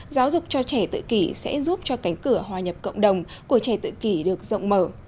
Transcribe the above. giáo dục cho trẻ tự kỷ sẽ giúp cho cánh cửa hòa nhập cộng đồng của trẻ tự kỷ được rộng mở